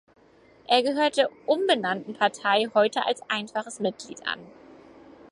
Er gehört der umbenannten Partei heute als einfaches Mitglied an.